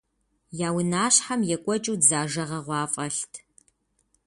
Я унащхьэм екӏуэкӏыу дзажэ гъэгъуа фӏэлът.